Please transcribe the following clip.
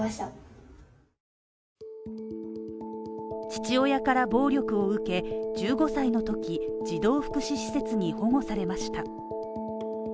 父親から暴力を受け、１５歳のとき、児童福祉施設に保護されました。